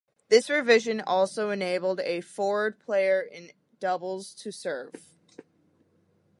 This revision also enabled a forward player in doubles to serve.